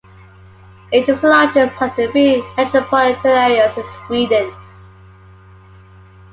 It is the largest of the three metropolitan areas in Sweden.